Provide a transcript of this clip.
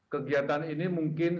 kegiatan ini mungkin